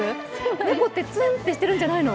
猫ってツンってしてるんじゃないの？